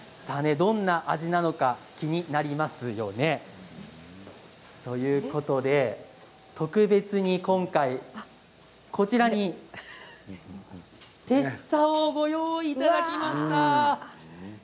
どんな味なのか気になりますよね。ということで特別に今回こちらにてっさをご用意いただきました。